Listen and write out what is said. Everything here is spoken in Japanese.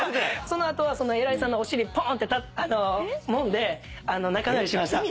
その後はその偉いさんのお尻ポーンってもんで仲直りしました。